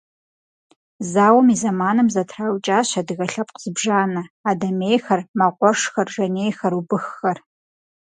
Зауэм и зэманым зэтраукӏащ адыгэ лъэпкъ зыбжанэ: адэмейхэр, мэкъуэшхэр, жанейхэр, убыххэр.